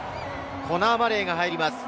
コナー・マレーが入ります。